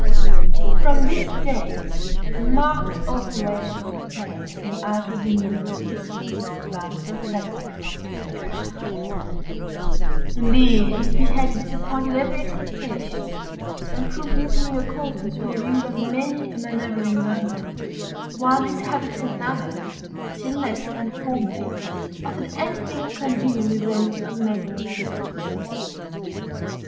From this date a marked alteration took place in the outward demeanor of the dissolute young Baron Frederick Von Metzengerstein. Indeed, his behavior disappointed every expectation, and proved little in accordance with the views of many a manoeuvering mamma; while his habits and manner, still less than formerly, offered any thing congenial with those of the neighboring aristocracy.